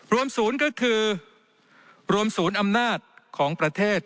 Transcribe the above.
ศูนย์ก็คือรวมศูนย์อำนาจของประเทศ